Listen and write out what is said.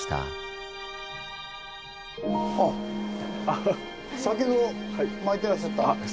あっ先ほどまいてらっしゃった。